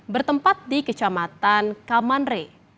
bertempat di kecamatan kamanre